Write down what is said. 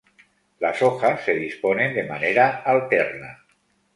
Las hojas se disponen de manera alterna.